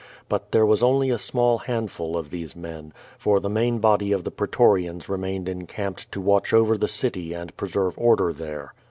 But there was only a small handful of these n;on, for the main body of the pretorians remained encamped to watch over the city and preserve order there.